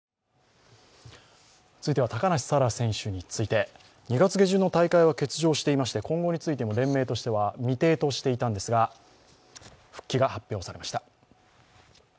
続いては、高梨沙羅選手について２月下旬の大会は欠場していまして今後について連盟としては未定としていたんですが、復帰が発表されました。